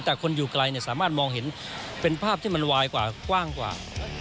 แต่คนอยู่ไกลสามารถมองเห็นเป็นภาพที่มันวายกว่ากว้างกว่า